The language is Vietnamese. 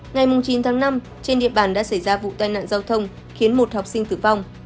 ngày chín tháng năm trên địa bàn đã xảy ra vụ tai nạn giao thông khiến một học sinh tử vong